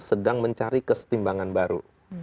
sedang mencari kesetimbangan baru